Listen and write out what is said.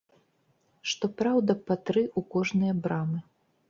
Што праўда, па тры ў кожныя брамы.